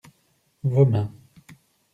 Vos mains.